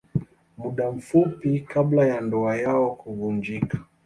Muda mfupi kabla ya ndoa yao kuvunjika.